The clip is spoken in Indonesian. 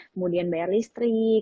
kemudian bayar listrik